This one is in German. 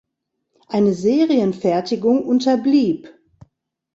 Eine Serienfertigung unterblieb.